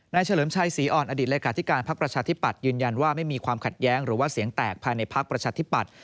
เฉลิมชัยศรีอ่อนอดีตเลขาธิการพักประชาธิปัตย์ยืนยันว่าไม่มีความขัดแย้งหรือว่าเสียงแตกภายในพักประชาธิปัตย